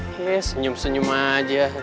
hei senyum senyum aja